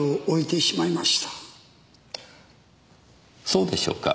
そうでしょうか？